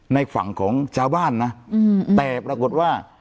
ในฝั่งของชาวบ้านนะแต่ปรากฏว่า